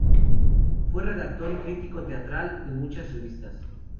Fue redactor y crítico teatral de muchas revistas.